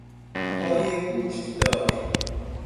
پای گوشت دار